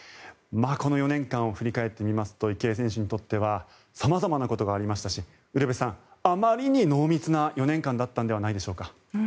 この４年間を振り返ってみますと池江選手にとっては様々なことがありましたしウルヴェさんあまりに濃密な４年間だったのではないでしょうか。